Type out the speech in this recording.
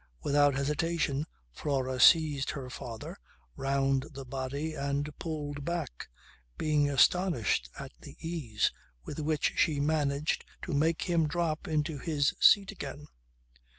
Without hesitation Flora seized her father round the body and pulled back being astonished at the ease with which she managed to make him drop into his seat again.